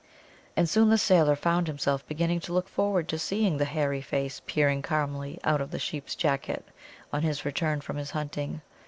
And soon the sailor found himself beginning to look forward to seeing the hairy face peering calmly out of the sheep's jacket on his return from his hunting.